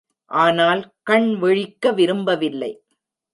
ஆனால் கண் விழிக்க விரும்பவில்லை.